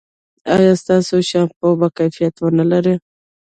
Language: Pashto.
ایا ستاسو شامپو به کیفیت و نه لري؟